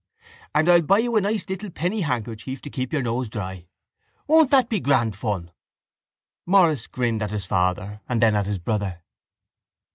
And I'll buy you a nice little penny handkerchief to keep your nose dry. Won't that be grand fun? Maurice grinned at his father and then at his brother.